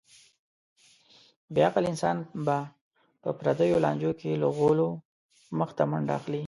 بې عقل انسان به په پردیو لانجو کې له غولو مخته منډه اخلي.